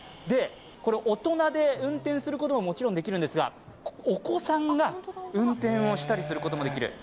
大人で運転することももちろんできるんですが、お子さんが運転をしたりすることもできる。